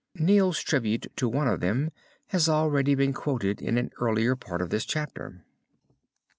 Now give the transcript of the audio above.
Neale's tribute to one of them has already been quoted in an earlier part of this chapter.